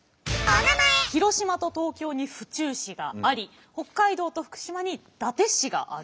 広島と東京に府中市があり北海道と福島に伊達市がある。